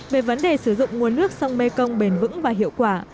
về vấn đề sử dụng nguồn nước sông mekong bền vững và hiệu quả